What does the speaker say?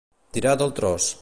Tirar del tros.